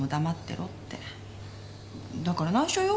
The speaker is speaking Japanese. だから内緒よ